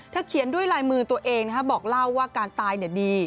เขียนด้วยลายมือตัวเองบอกเล่าว่าการตายดี